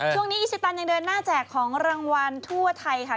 อีซิตันยังเดินหน้าแจกของรางวัลทั่วไทยค่ะ